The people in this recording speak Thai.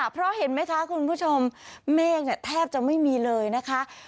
เพราะเห็นไหมคะคุณผู้ชมเมฆแทบจะไม่มีเลยนะคะ